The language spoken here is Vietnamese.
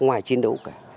ngoài chiến đấu cả